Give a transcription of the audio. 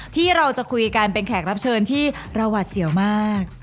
ที่เราจะคุยกันเป็นแขกรับเชิญที่เราหวัดเสียวมาก